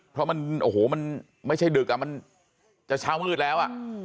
เพราะมันโอ้โหมันไม่ใช่ดึกมันจะเช้ามืดแล้ว